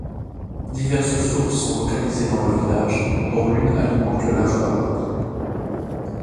Diverses sources sont localisées dans le village dont l'une alimente le lavoir.